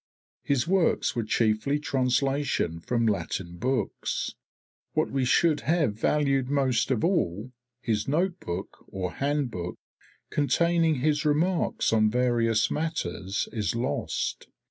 His works were chiefly translations from Latin books; what we should have valued most of all, his notebook or handbook, containing his remarks on various matters, is lost.